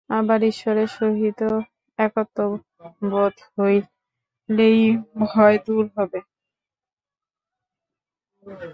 আবার ঈশ্বরের সহিত একত্ববোধ হইলেই ভয় দূর হইবে।